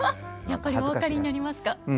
やっぱりお分かりになりますか？